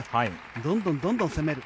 どんどん攻める。